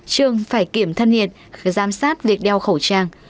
trường phải kiểm thân nhiệt giám sát việc đeo khẩu trang